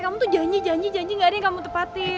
kamu tuh janji janji gak ada yang kamu tepatin